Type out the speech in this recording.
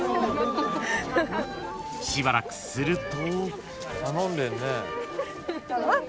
［しばらくすると］